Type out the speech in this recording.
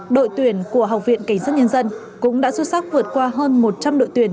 đội tuyển của học viện cảnh sát nhân dân cũng đã xuất sắc vượt qua hơn một trăm linh đội tuyển